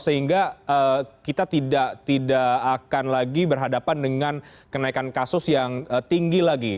sehingga kita tidak akan lagi berhadapan dengan kenaikan kasus yang tinggi lagi